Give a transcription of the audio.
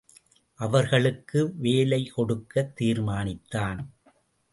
அவர்களுக்கு வேலைக்கொடுக்க தீர்மானித்தான்.